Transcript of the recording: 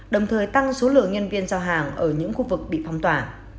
đồng thời tăng số lượng nhân viên giao hàng ở những khu vực bị phong tỏa